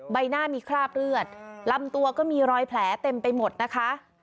ใบหน้ามีคราบเลือดลำตัวก็มีรอยแผลเต็มไปหมดนะคะ